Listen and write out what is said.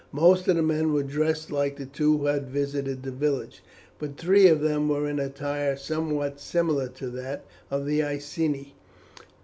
Most of the men were dressed like the two who had visited the village, but three of them were in attire somewhat similar to that of the Iceni.